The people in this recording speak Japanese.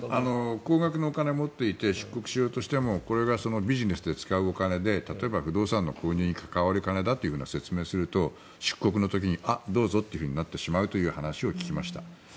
高額のお金を持っていて出国しようとしてもこれがビジネスで使うお金で例えば不動産の購入に関わるお金だと説明をすると、出国の時にどうぞとなってしまうという話を聞きました。